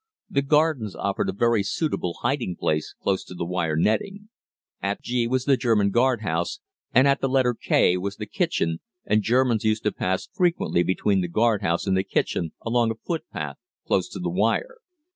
The gardens offered a very suitable hiding place close to the wire netting. At "G" was the German guardhouse, and "K" was the kitchen, and Germans used to pass frequently between the guardhouse and the kitchen along a footpath close to the wire.